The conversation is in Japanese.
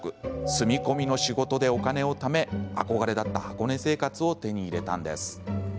住み込みの仕事でお金をため憧れだった箱根生活を手に入れたんです。